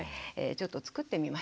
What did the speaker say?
ちょっと作ってみました。